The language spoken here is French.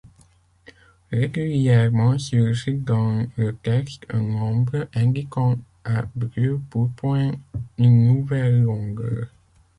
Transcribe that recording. Régulièrement surgit dans le texte un nombre indiquant à brûle-pourpoint une nouvelle longueur.